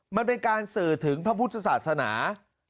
มันเป็นการสื่อถึงพระพุทธศาสนา